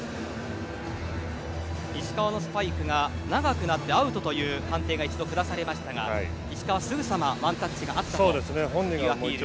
石川のスパイクが長くなってアウトという判定が一度下されましたが石川、すぐさまワンタッチがあったというアピール。